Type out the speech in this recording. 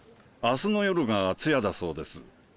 あすの夜が通夜だそうです。